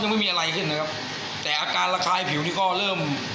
ไม่มีอะไรขึ้นนะครับแต่อาการระคายผิวนี่ก็เริ่ม